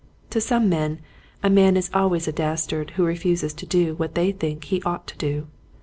To some men a man is always a dastard who refuses to do what they think he ought to do.